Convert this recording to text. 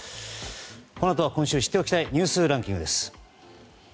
このあとは今週知っておきたいニュースランキングです。